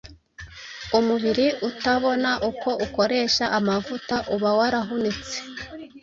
umubiri utabona uko ukoresha amavuta uba warahunitse.